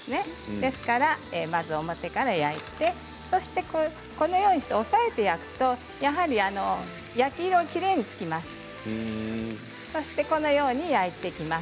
ですから、まず表から焼いてこのようにして押さえて焼くとやはり焼き色がきれいにつきます。